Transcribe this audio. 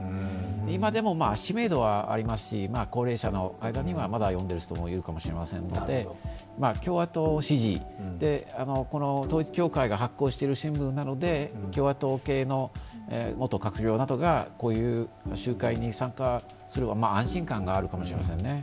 今でも知名度はありますし高齢者の間にはまだ読んでいる人もいるかもしれませんので共和党支持で、この統一教会が発行している新聞なので共和党系の元閣僚などがこういう集会に参加すれば安心感があるかもしれませんね。